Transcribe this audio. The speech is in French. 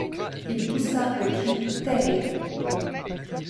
Il poussa un cri terrible.